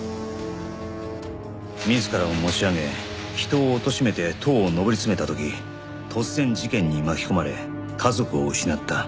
自らを持ち上げ人をおとしめて塔を上り詰めた時突然事件に巻き込まれ家族を失った。